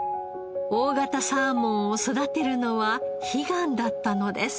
大型サーモンを育てるのは悲願だったのです。